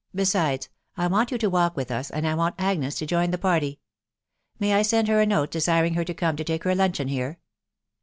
besides .... I want you to walk with us, and I want Agnes to join the party. May I send her a note desiring her to come to take her luncheon here